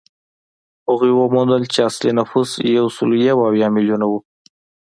هغوی وموندل چې اصلي نفوس یو سل یو اویا میلیونه وو.